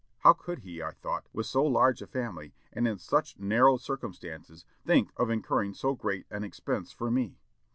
How could he, I thought, with so large a family, and in such narrow circumstances, think of incurring so great an expense for me?